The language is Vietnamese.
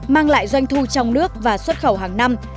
mang lại doanh thu trong nước và xuất khẩu hàng năm